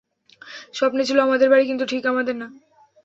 স্বপ্নে ছিল আমাদের বাড়ি, কিন্তু ঠিক আমাদের না।